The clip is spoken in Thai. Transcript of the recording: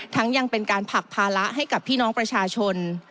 ยังเป็นการผลักภาระให้กับพี่น้องประชาชน